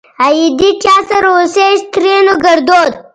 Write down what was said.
آئيدې چا سره اوسيږ؛ ترينو ګړدود